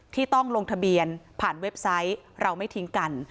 ที่ต้องลงทะเบียนผ่านเว็บไซต์เราไม่ทิ้งกัน